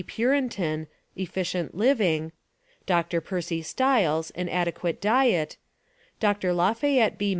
Purinton, "Efficient Living;" Dr. Percy Stiles, "An Adequate Diet;" Dr. Lafayette B.